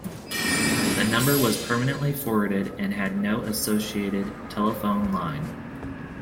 The number was permanently forwarded and had no associated telephone line.